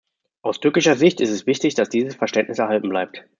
Aus türkischer Sicht ist es wichtig, dass dieses Verständnis erhalten bleibt.